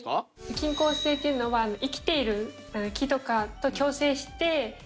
菌根性っていうのは生きている木とかと共生してできるきのこで。